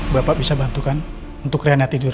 bapak bisa bantukan untuk reana tidur